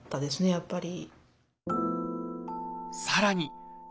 やっぱり。